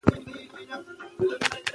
که ټولنه وي نو ملاتړ نه کمیږي.